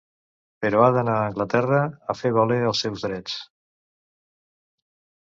Però ha d'anar a Anglaterra a fer valer els seus drets.